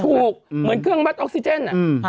เหมือนเครื่องวัดออกซิเจน